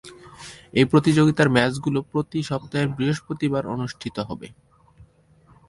এই প্রতিযোগিতার ম্যাচগুলো প্রতি সপ্তাহের বৃহস্পতিবার অনুষ্ঠিত হবে।